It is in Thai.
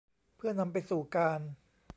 เพื่อนำไปสู่การ